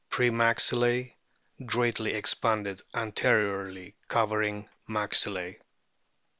Pre maxillae greatly expanded anteriorly, covering maxillae.